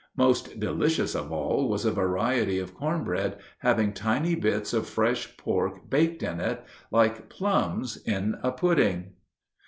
Most delicious of all was a variety of corn bread having tiny bits of fresh pork baked in it, like plums in a pudding.